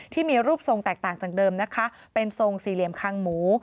ที่มีรูปทรงแตกต่างจากเดิมนะคะเป็นทรงสี่เหลี่ยมคางหมู